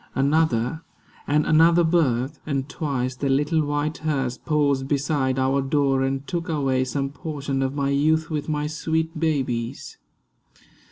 Another, and another birth, and twice The little white hearse paused beside our door And took away some portion of my youth With my sweet babies.